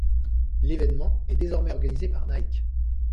L’événement est désormais organisé par Nike.